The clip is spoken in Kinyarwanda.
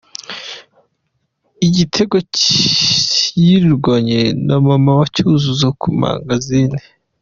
Igitego yirirwanye na mama wa Cyuzuzo ku mangazini.